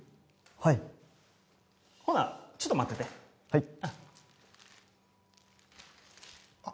はいほなちょっと待っててはいあっ